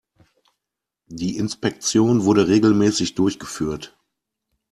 Die Inspektion wurde regelmäßig durchgeführt.